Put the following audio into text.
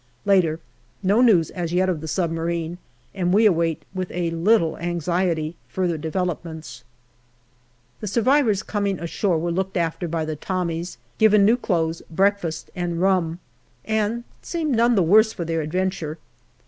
Later : No news as yet of the submarine, and we await with a little anxiety further developments. The survivors coming ashore were looked after by the Tommies, given new clothes, breakfast, and rum, and seemed none the worse for their adventure.